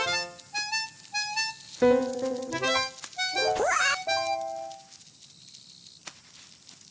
うわっ！